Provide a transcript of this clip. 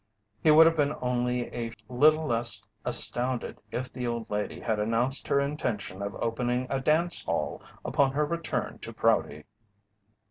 He would have been only a little less astounded if the old lady had announced her intention of opening a dance hall upon her return to Prouty.